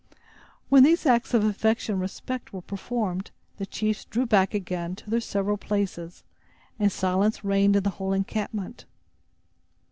When these acts of affection and respect were performed, the chiefs drew back again to their several places, and silence reigned in the whole encampment.